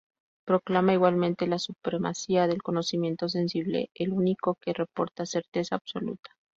Proclama, igualmente, la supremacía del conocimiento sensible, el único que reporta certeza absoluta.